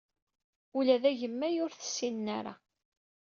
Ula d agemmay ur t-ssinen ara.